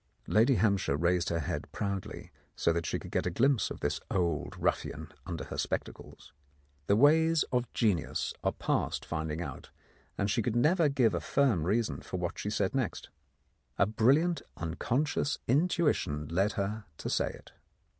Lady Hampshire raised her head proudly, so that she could get a glimpse of this old ruffian under her spectacles. The ways of genius are past finding out, and she could never give a firm reason for what she said next. A brilliant unconscious intuition led her to say it.